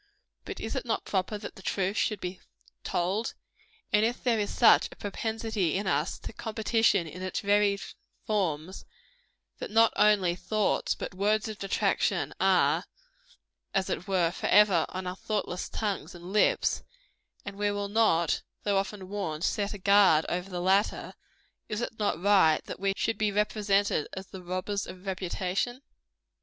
But is it not proper that the truth should be told? And if there is such a propensity in us to competition in its varied forms, that not only thoughts but words of detraction are, as it were, forever on our thoughtless tongues and lips, and we will not, though often warned, set a guard over the latter, is it not right that we should be represented as the robbers of reputation?